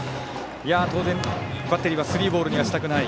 当然、バッテリーはスリーボールにはしたくない。